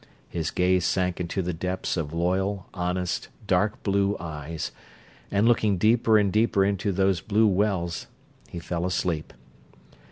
His gaze sank into the depths of loyal, honest, dark blue eyes; and looking deeper and deeper into those blue wells he fell asleep.